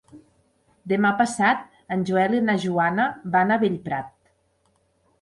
Demà passat en Joel i na Joana van a Bellprat.